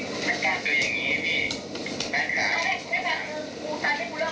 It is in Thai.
ต้องลงกับมันไปแล้วถ้าเป็นนั่นคุณก็ต้อง